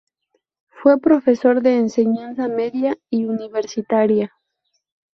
Fue profesor de enseñanza media y universitaria.